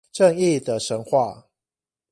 正義的神話